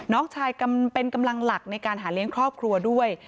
น้องชายเป็นกำลังหลักในการหาเลี้ยงครอบครัวด้วย